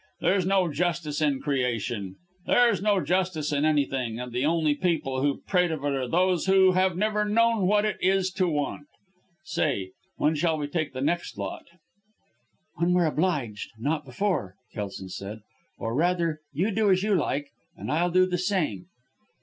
There's no justice in creation there's no justice in anything and the only people who prate of it are those who have never known what it is to want. Say, when shall we take the next lot?" "When we're obliged, not before!" Kelson said. "Or rather, you do as you like and I'll do the same."